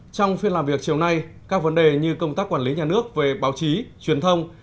trong phiên làm việc chiều nay các vấn đề như công tác quản lý nhà nước về báo chí truyền thông